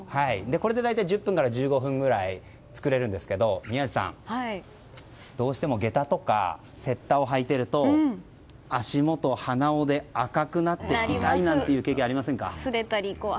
大体１０分から１５分くらいで作れるんですが宮司さん、どうしても下駄とか雪駄を履いていると足元、鼻緒で赤くなって痛いなんていう経験ありませんか？